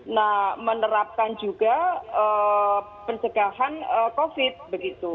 nah menerapkan juga pencegahan covid begitu